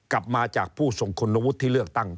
กลับมาจากผู้ทรงคุณวุฒิที่เลือกตั้ง